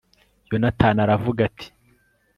yonatani aravuga ati